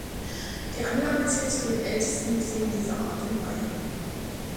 Die Anlage zählt zu den ältesten Museen dieser Art in Bayern.